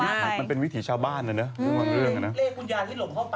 มันเป็นวิถีชาวบ้านเลยนะเรื่องนั้น